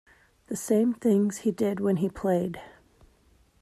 The same things he did when he played.